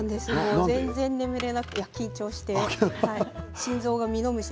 全然眠れなくって緊張して。